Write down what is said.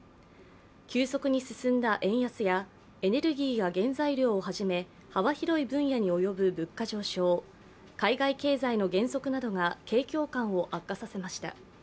急速に進んだ円安やエネルギーや原材料をはじめ幅広い分野に及ぶ物価上昇、海外経済の減速などが景況感を悪化させました。